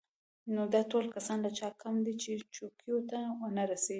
نو دا ټول کسان له چا کم دي چې چوکیو ته ونه رسېږي.